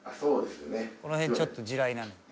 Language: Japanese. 「この辺ちょっと地雷なのよ